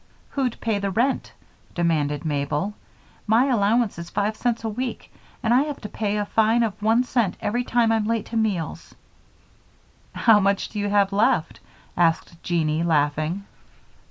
"Who'd pay the rent?" demanded Mabel. "My allowance is five cents a week and I have to pay a fine of one cent every time I'm late to meals." "How much do you have left?" asked Jeanie, laughing.